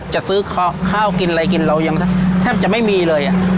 จะซื้อข้าวกินอะไรกินเรายังแทบจะไม่มีเลย